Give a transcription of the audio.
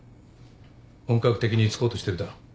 本格的に居着こうとしてるだろ。